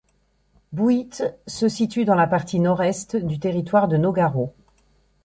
Bouyt se situe dans la partie nord-est du territoire de Nogaro.